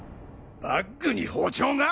バッグに包丁が？